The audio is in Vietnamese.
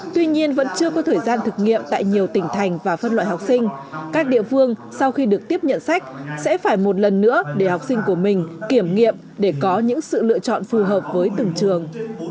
tuy nhiên vẫn chưa có thời gian thực nghiệm tại nhiều tỉnh thành và phân loại học sinh các địa phương sau khi được tiếp nhận sách sẽ phải một lần nữa để học sinh của mình kiểm nghiệm để có những sự lựa chọn phù hợp với từng trường